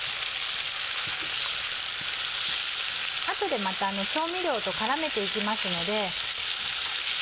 あとでまた調味料と絡めて行きますので。